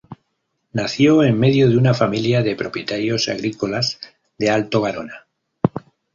Nació en medio de una familia de propietarios agrícolas de Alto Garona.